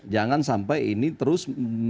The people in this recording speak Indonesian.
jangan sampai ini terus